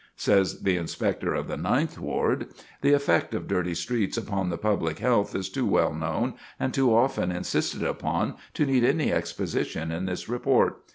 Says the Inspector of the Ninth Ward: "The effect of dirty streets upon the public health is too well known, and too often insisted upon, to need any exposition in this report.